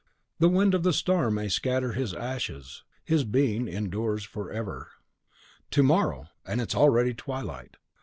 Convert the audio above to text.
The wind of the storm may scatter his ashes; his being endures forever.) To morrow! and it is already twilight.